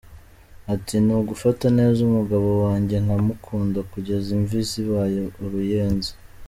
Ati “Ni ugufata neza umugabo wanjye nka mukunda kugeza imvi zibaye uruyenzi.